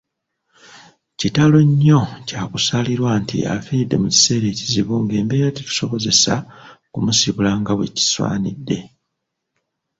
Kitalo nnyo kyakusaalirwa nti afiiridde mu kiseera ekizibu ng'embeera tetusobozesa kumusiibula nga bwekisaanidde.